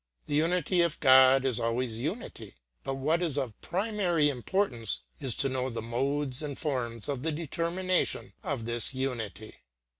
The unity of God is always unity, but what is of primary importance is to know the modes and forms of the determination of this unity.